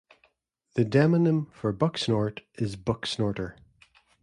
The demonym for Bucksnort is "Bucksnorter".